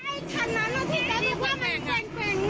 ไม่ใช่คันนั้นนะพี่เจ้าดูว่ามันเต็ม